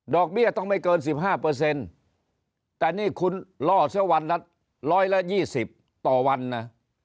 ดอกเบี้ยต้องไม่เกิน๑๕เปอร์เซ็นต์แต่นี่คุณล่อเที่ยววันนั้น๑๒๐ต่อวันนะ